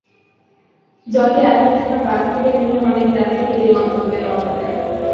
জটে আটকে থাকা বাস থেকে নেমে অনেক যাত্রী হেঁটে গন্তব্যে রওনা দেন।